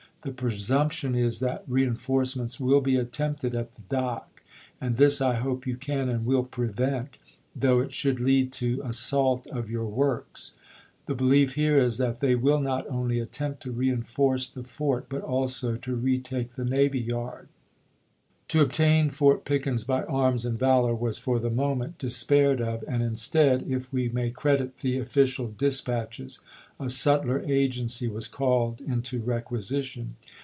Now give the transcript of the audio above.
The presumption is that reenforcements will be attempted at the dock, and this I hope you can and will prevent, though it should lead to as waiker to ^ault of your works. The belief here is that they Ap^iisffsei. '^ill iiot only attempt to reenforce the fort, but also ^i"., p'. Js}' to retake the navy yard." To obtain Fort Pickens by arms and valor was for the moment despaired of, and instead, if we may credit the official dispatches, a subtler agency was called into requisition.